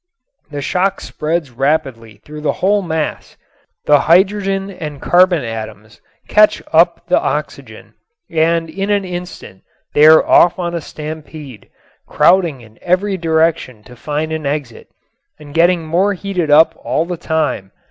The shock spreads rapidly through the whole mass. The hydrogen and carbon atoms catch up the oxygen and in an instant they are off on a stampede, crowding in every direction to find an exit, and getting more heated up all the time.